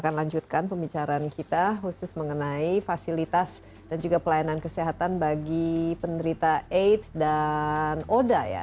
akan lanjutkan pembicaraan kita khusus mengenai fasilitas dan juga pelayanan kesehatan bagi penderita aids dan oda ya